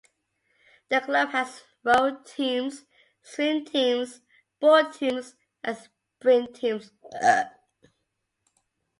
The club has row teams, swim teams, board teams and sprint teams.